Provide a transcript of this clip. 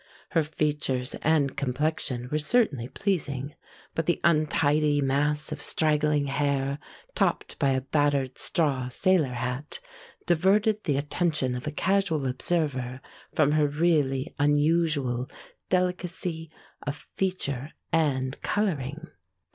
Her features and complexion were certainly pleasing, but the untidy mass of straggling hair topped by a battered straw sailor hat diverted the attention of a casual observer from her really unusual delicacy of feature and coloring.